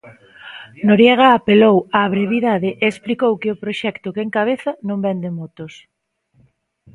Noriega apelou á brevidade e explicou que o proxecto que encabeza "non vende motos".